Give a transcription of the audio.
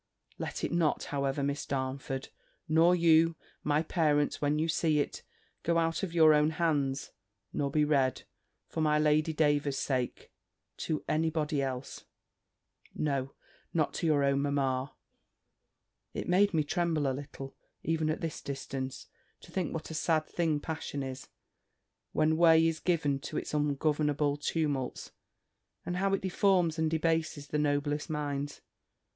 Let it not, however, Miss Darnford nor you, my dear parents when you see it go out of your own hands, nor be read, for my Lady Davers's sake, to any body else No, not to your own mamma. It made me tremble a little, even at this distance, to think what a sad thing passion is, when way is given to its ungovernable tumults, and how it deforms and debases the noblest minds.